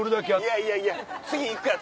いやいやいや次行くから。